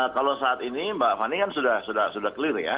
kalau saat ini mbak fani kan sudah clear ya